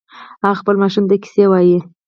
هغه خپل ماشوم ته کیسې وایې